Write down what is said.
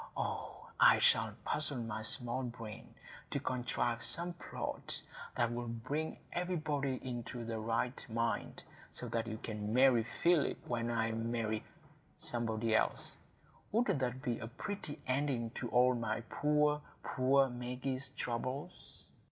Oh, I shall puzzle my small brain to contrive some plot that will bring everybody into the right mind, so that you may marry Philip when I marry—somebody else. Wouldn't that be a pretty ending to all my poor, poor Maggie's troubles?"